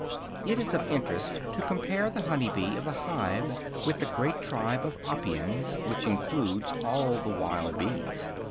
It is of interest to compare the honey bee of the hive with the great tribe of "Apiens," which includes all the wild bees.